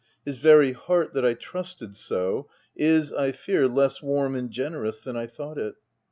His very heart, that I trusted so, is, I fear, less warm and generous than I thought it.